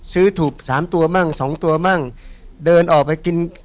ซื้อถูก๓ตัวบ้าง๒ตัวบ้างเดินออกไปกิน